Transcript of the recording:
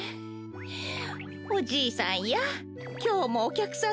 おじいさんやきょうもおきゃくさん